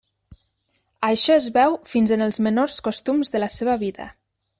Això es veu fins en els menors costums de la seva vida.